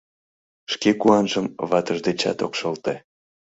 Шке куанжым ватыж дечат ок шылте.